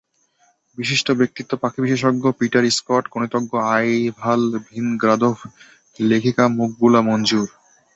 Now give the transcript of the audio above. বিশিষ্ট ব্যক্তিত্ব পাখিবিশেষজ্ঞ Peter Scott, গণিতজ্ঞ আইভাল ভিনগ্রাদভ, লেখিকা মকবুলা মঞ্জুর।